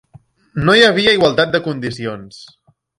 No hi havia igualtat de condicions.